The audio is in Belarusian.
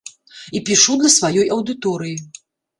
І пішу для сваёй аўдыторыі.